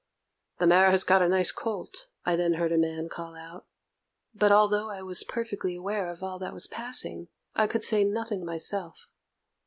"The mare has got a nice colt," I then heard a man call out; but, although I was perfectly aware of all that was passing, I could say nothing myself.